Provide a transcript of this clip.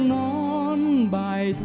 nón bài thơ